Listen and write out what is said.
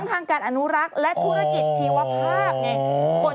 ทางการอนุรักษ์และธุรกิจชีวภาพไง